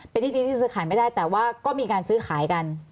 เป็นที่ดินที่ซื้อขายไม่ได้แต่ว่าก็มีการซื้อขายกัน